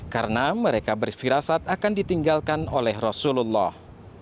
karena mereka berfirassat akan ditinggalkan oleh rasulullah